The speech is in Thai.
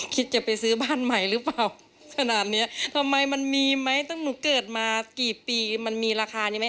คิดจะไปซื้อบ้านใหม่หรือเปล่าขนาดเนี้ยทำไมมันมีไหมตั้งหนูเกิดมากี่ปีมันมีราคานี้ไหม